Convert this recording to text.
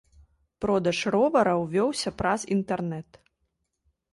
Продаж ровараў вёўся праз інтэрнэт.